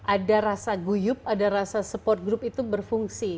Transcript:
ada rasa guyup ada rasa support group itu berfungsi